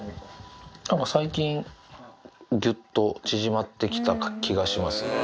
なんか最近、ぎゅっと縮まってきた気がしますね。